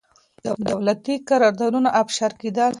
دولتي قراردادونه افشا کېدل.